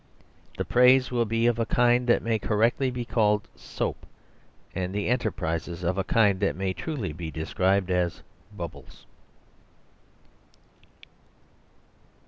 The praise will be of a kind that may correctly be called soap; and the enterprises of a kind that may truly be described as Bubbles.